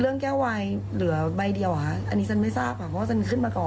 เรื่องแก้วายเหลือใบเดียวอะตอนนี้ฉันไม่ทราบเลย